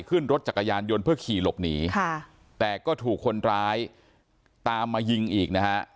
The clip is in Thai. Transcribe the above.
ขึ้นรถจักรยานยนต์เพื่อขี่หลบหนีค่ะแต่ก็ถูกคนร้ายตามมายิงอีกนะฮะ